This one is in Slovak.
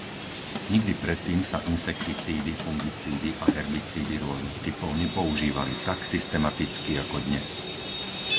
Nikdy predtým sa insekticídy, fungicídy a herbicídy rôznych typov nepoužívali tak systematicky ako dnes.